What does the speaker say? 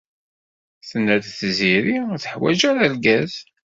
Tenna-d Tiziri ur tuḥwaǧ ara argaz.